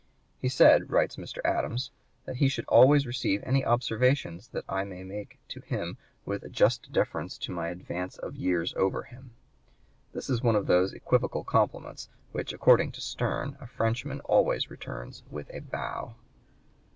He said, writes Mr. Adams, "that he should always receive any observations that I may make to him with a just deference to my advance of years over him. This is one of (p. 140) those equivocal compliments which, according to Sterne, a Frenchman always returns with a bow."